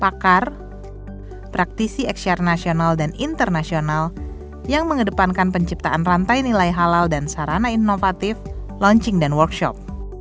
pakar praktisi eksyar nasional dan internasional yang mengedepankan penciptaan rantai nilai halal dan sarana inovatif launching dan workshop